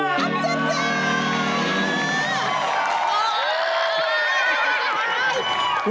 ย่าเลย